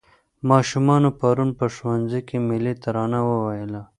ماشومانو پرون په ښوونځي کې ملي ترانه وویله.